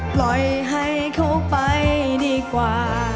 ปล่อยให้เขาไปดีกว่า